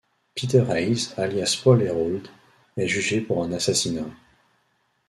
Peter Hays, alias Paul Herold, est jugé pour un assassinat.